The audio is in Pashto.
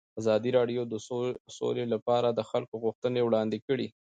ازادي راډیو د سوله لپاره د خلکو غوښتنې وړاندې کړي.